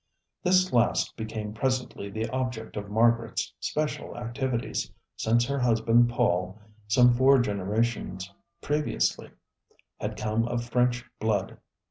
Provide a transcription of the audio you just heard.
This last became presently the object of Margaret's special activities, since her husband, Paul, some four generations previously, had come of French blood.